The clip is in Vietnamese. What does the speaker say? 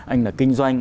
anh là kinh doanh